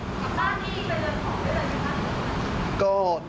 บ้านนี้เป็นเรือนหอเป็นเรือนหอยังไง